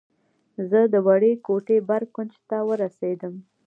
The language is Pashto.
زه د وړې کوټې بر کونج ته ورسېدم.